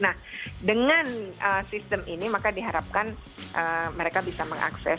nah dengan sistem ini maka diharapkan mereka bisa mengakses